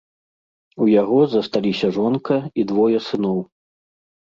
У яго засталіся жонка і двое сыноў.